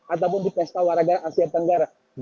ataupun di pesta waraga asia tenggara